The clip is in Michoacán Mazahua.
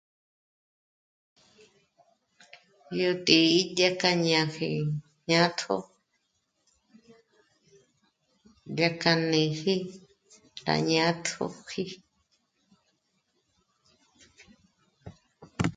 Yó tǐ'i jñék'a nápji jnátjo ngé k'a népji rá jnâtjoji